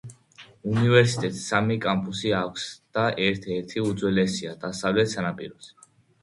უნივერსიტეტს სამი კამპუსი აქვს და ერთ-ერთი უძველესია დასავლეთ სანაპიროზე.